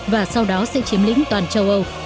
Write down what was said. và sau đó sẽ chiếm lính toàn châu âu